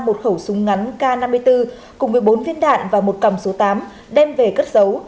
một khẩu súng ngắn k năm mươi bốn cùng với bốn viên đạn và một cầm số tám đem về cất giấu